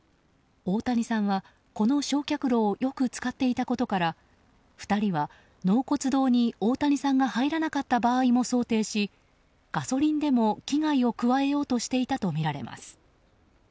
大谷さんは、この焼却炉をよく使っていたことから２人は、納骨堂に大谷さんが入らなかった場合も想定しガソリンでも危害を加えようとしていたとみられます。